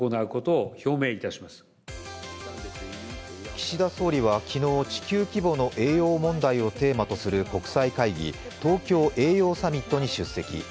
岸田総理は昨日、地球規模の栄養問題をテーマとする国際会議東京栄養サミットに出席。